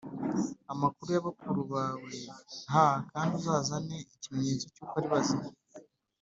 amakuru ya bakuru bawe h kandi uzazane ikimenyetso cy uko ari bazima